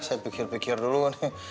saya pikir pikir dulu